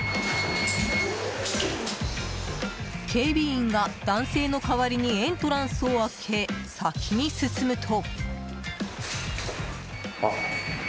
警備員が男性の代わりにエントランスを開け、先に進むと。